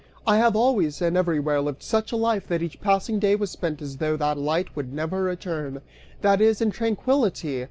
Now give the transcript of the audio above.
"I have always and everywhere lived such a life that each passing day was spent as though that light would never return; (that is, in tranquillity!